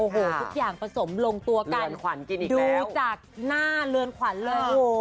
ทุกอย่างผสมลงตัวกันดูจากหน้าเลือนขวันเลย